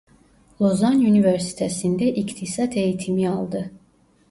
Lozan Üniversitesi'nde iktisat eğitimi aldı.